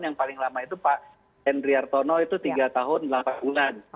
yang paling lama itu pak hendriartono itu tiga tahun delapan bulan